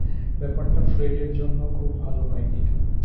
ব্যাপারটা ফ্রেডের জন্যও খুব ভালো হয়নি।